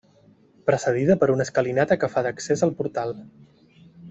Precedida per una escalinata que fa d'accés al portal.